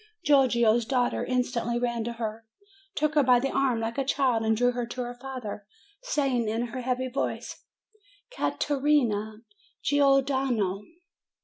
Giorgio's daughter instantly ran to her, took her by the arm, like a child, and drew her to her father, saying, in her heavy voice, "Ca te rina Gior dano."